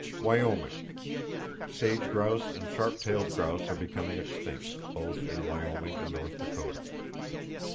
Wyoming: Sage grouse and sharp tailed grouse are becoming extinct, both in Wyoming and North Dakota.